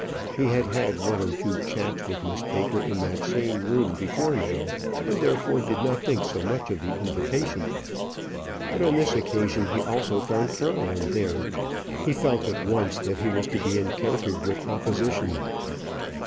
He had had one or two chats with Miss Baker in that same room before now, and therefore did not think so much of the invitation; but on this occasion he also found Caroline there. He felt at once that he was to be encountered with opposition.